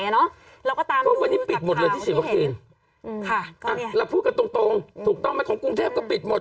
เราก็ตามดูกับคราวที่เห็นก็วันนี้ปิดหมดเลยที่ฉีดวัคซีนค่ะก็เนี้ยอ่ะเราพูดกันตรงตรงถูกต้องมันของกรุงเทพก็ปิดหมด